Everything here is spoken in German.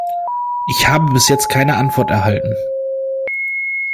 Ich habe bis jetzt keine Antwort erhalten.